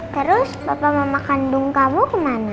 terus bapak mama kandung kamu kemana